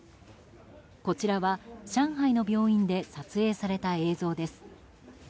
こちらは上海の病院で撮影された映像です。